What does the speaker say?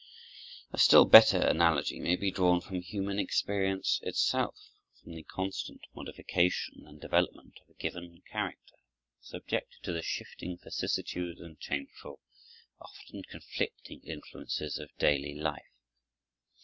A still better analogy may be drawn from human experience itself, from the constant modification and development of a given character, subjected to the shifting vicissitudes and changeful, often conflicting influences of daily life.